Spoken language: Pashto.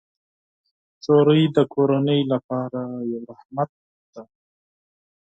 نجلۍ د کورنۍ لپاره یو رحمت دی.